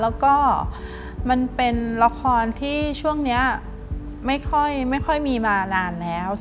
แล้วก็มันเป็นละครที่ช่วงนี้ไม่ค่อยมีมานานแล้ว